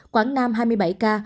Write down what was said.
quảng nam hai mươi bảy ca